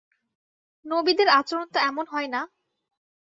নবীদের আচরণ তো এমন হয় না।